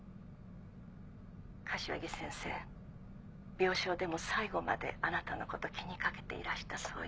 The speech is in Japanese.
病床でも最期まであなたのこと気にかけていらしたそうよ。